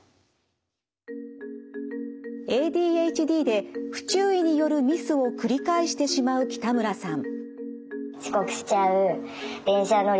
ＡＤＨＤで不注意によるミスを繰り返してしまう北村さん。